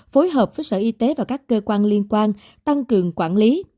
phối hợp với sở y tế và các cơ quan liên quan tăng cường quản lý